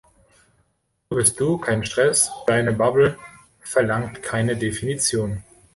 Du bist du, kein Stress, deine Bubble verlangt keine Definition!